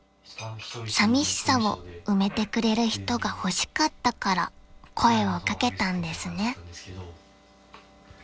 ［さみしさを埋めてくれる人が欲しかったから声を掛けたんですね］